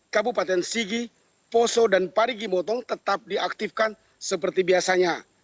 kabupaten sigi poso dan parigi motong tetap diaktifkan seperti biasanya